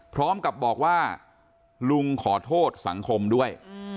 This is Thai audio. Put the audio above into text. พร้อมกับบอกว่าลุงขอโทษสังคมด้วย